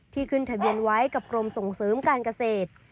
ขึ้นทะเบียนไว้กับกรมส่งเสริมการเกษตร